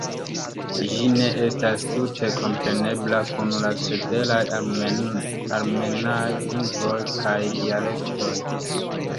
Ĝi ne estas tute komprenebla kun la ceteraj armenaj lingvoj kaj dialektoj.